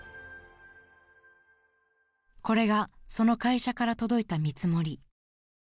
［これがその会社から届いた見積もり］